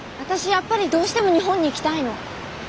やっぱりどうしても日本に行きたいの。